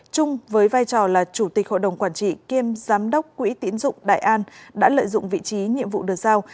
trung với vai trò là chủ tịch hội đồng quản trị kiêm giám đốc quỹ tiến dụng đại an đã lợi dụng vị trí nhiệm vụ được giao